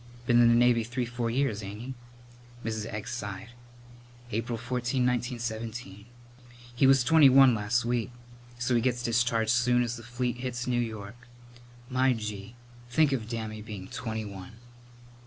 "Been in the Navy three four years, ain't he?" Mrs. Egg sighed. "April 14, 1917. He was twenty one las' week, so he gets discharged soon as the fleet hits New York. My gee, think of Dammy being twenty one!"